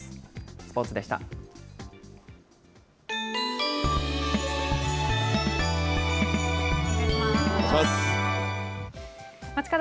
スポーツでした。